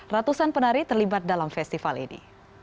ratusan penari terlibat dalam festival ini